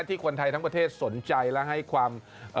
คนไทยทั้งประเทศสนใจและให้ความ